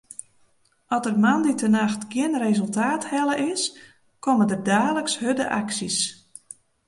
As der moandeitenacht gjin resultaat helle is, komme der daliks hurde aksjes.